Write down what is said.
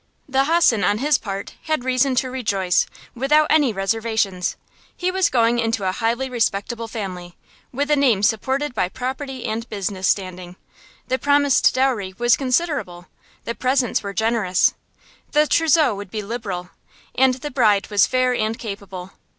The hossen, on his part, had reason to rejoice, without any reservations. He was going into a highly respectable family, with a name supported by property and business standing. The promised dowry was considerable, the presents were generous, the trousseau would be liberal, and the bride was fair and capable.